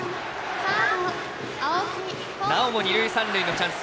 なおも二塁三塁のチャンス。